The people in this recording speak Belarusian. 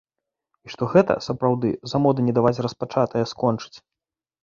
І што гэта, сапраўды, за мода не даваць распачатае скончыць.